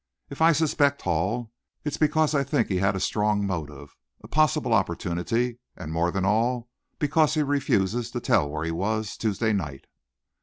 If I suspect Hall, it's because I think he had a strong motive, a possible opportunity, and more than all, because he refuses to tell where he was Tuesday night."